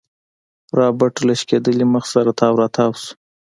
رابرټ له شکېدلي مخ سره تاو راتاو شو.